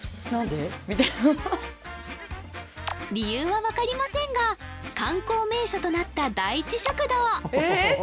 理由は分かりませんが観光名所となった第一食堂え